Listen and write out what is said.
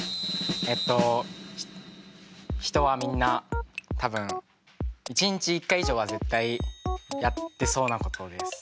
えっと人はみんな多分１日１回以上は絶対やってそうなことです。